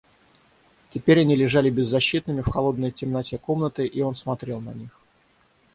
Теперь они лежали беззащитными в холодной темноте комнаты, и он смотрел на них.